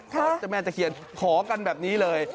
เจ้าแม่ตะเคียนขอกันแบบนี้เลย